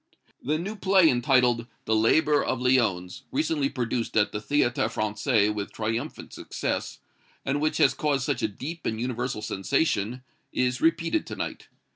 "THE NEW PLAY entitled, 'The Laborer of Lyons,' recently produced at the Théâtre Français with triumphant success, and which has caused such a deep and universal sensation, is repeated to night.